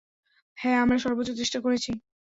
হ্যাঁ, আমরা সর্বোচ্চ চেষ্টা করছি।